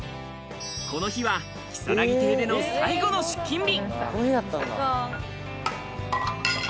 この日はきさらぎ亭での最後の出勤日。